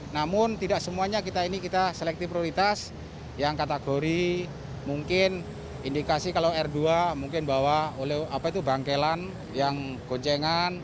namun tidak semuanya kita ini kita selektif prioritas yang kategori mungkin indikasi kalau r dua mungkin bawa oleh apa itu bangkelan yang goncengan